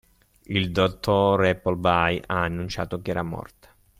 Il dottor Appleby ha annunciato che era morta.